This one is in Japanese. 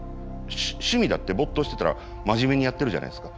趣味だって没頭してたら真面目にやってるじゃないですか。